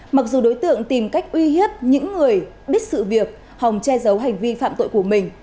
mặc dù đối tượng tìm cách uy hiếp những người biết sự việc hòng che giấu hành vi phạm tội của mình